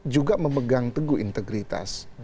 juga memegang teguh integritas